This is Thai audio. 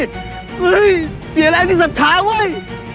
เห้ยเสียแล้วไอ้ที่สับถานเว้ย